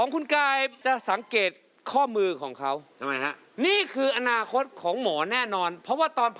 ไปผ่าตัดเขาเย็นแบบนี้หรอ